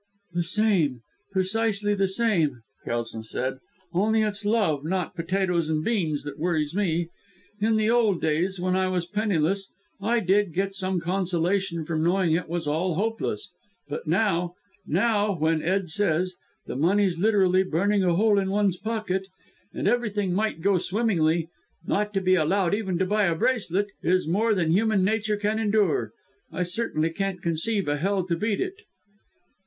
"The same! Precisely the same!" Kelson said. "Only it's love not potatoes and beans that worries me. In the old days when I was penniless, I did get some consolation from knowing it was all hopeless but now now, when, as Ed says, 'the money's literally burning a hole in one's pocket,' and everything might go swimmingly not to be allowed even to buy a bracelet is more than human nature can endure. I certainly can't conceive a Hell to beat it."